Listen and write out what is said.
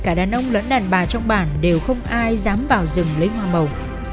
cả đàn ông lẫn đàn bà trong bản đều không ai dám vào rừng lấy hoa màu